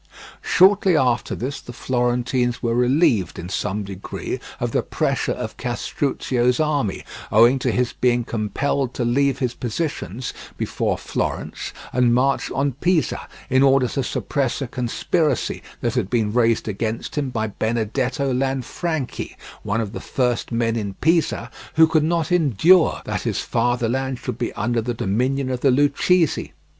Shortly after this the Florentines were relieved in some degree of the pressure of Castruccio's army, owing to his being compelled to leave his positions before Florence and march on Pisa, in order to suppress a conspiracy that had been raised against him by Benedetto Lanfranchi, one of the first men in Pisa, who could not endure that his fatherland should be under the dominion of the Lucchese.